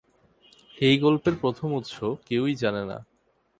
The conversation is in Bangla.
এই গল্পের প্রথম উৎস কেউই জানে না।